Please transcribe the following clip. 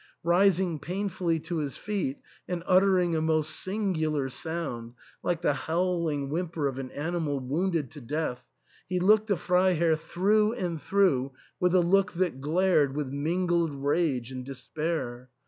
Rising painfully to his feet and uttering a most singu lar sound, like the howling whimper of an animal wounded to death, he looked the Freiherr through and through with a look that glared with mingled rage and despair.